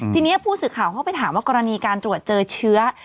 ทีนี้ผู้สื่อข่าวเข้าไปถามว่ากรณีการตรวจเจอเชื้อ